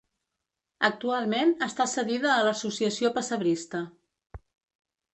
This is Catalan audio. Actualment està cedida a l'Associació Pessebrista.